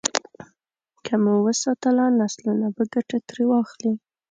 که مو وساتله، نسلونه به ګټه ترې واخلي.